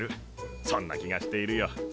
そんな気がしているよ。